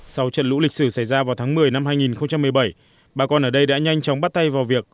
sau trận lũ lịch sử xảy ra vào tháng một mươi năm hai nghìn một mươi bảy bà con ở đây đã nhanh chóng bắt tay vào việc